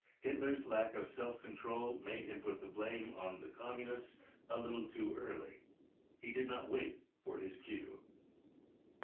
Hitler's lack of self control made him put the blame on the Communists a little too early ; he did not wait for his cue.